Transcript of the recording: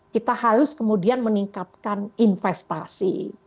kita harus kemudian meningkatkan investasi